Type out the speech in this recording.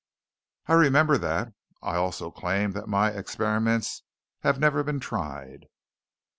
"I remember that. I also claim that my experiments have never been tried."